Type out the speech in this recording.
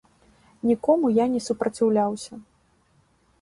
Нікому я не супраціўляўся.